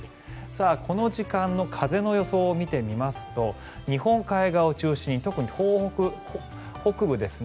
この時間の風の予想を見てみますと日本海側を中心に特に東北北部ですね。